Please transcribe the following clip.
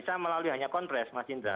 tidak bisa melalui hanya kontres mas indra